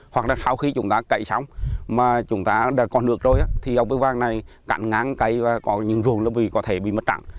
hoặc là sau khi chúng ta cậy sống mà chúng ta đã còn nước rồi thì ốc bưu vàng này cạn ngang cây và có những ruồng có thể bị mất trắng